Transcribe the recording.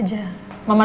tidak ada apa apa